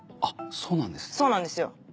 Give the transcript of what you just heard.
そうなんですよ！